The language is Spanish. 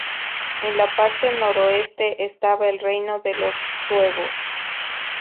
En la parte noroeste estaba el reino de los suevos.